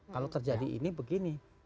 kalau terjadi ini begini